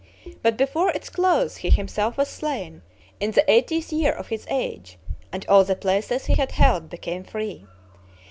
But before its close he himself was slain, in the eightieth year of his age, and all the places he had held became free.